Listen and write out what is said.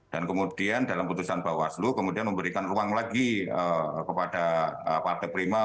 dan kemudian dalam putusan bawaslu kemudian memberikan ruang lagi kepada partai prima